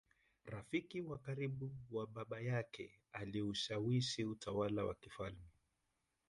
rafiki wa karibu wa Baba yake Aliushawishi utawala wa kifalme